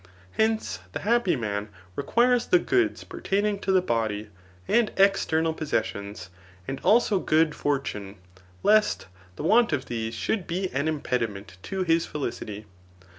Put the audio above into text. Hence, the happy man requires the goods pertaining to the body, and%xtemal possessions, and also good for tune, lest [the want of^ these should be an impediment £to his felicity.